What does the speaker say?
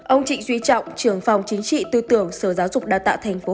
ông trịnh duy trọng trưởng phòng chính trị tư tưởng sở giáo dục đào tạo tp hcm